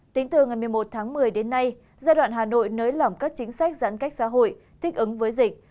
tính từ ngày một mươi một tháng một mươi đến nay giai đoạn hà nội nới lỏng các chính sách giãn cách xã hội thích ứng với dịch